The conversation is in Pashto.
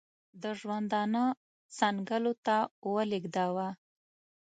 د ژوندانه څنګلو ته ولېږداوه.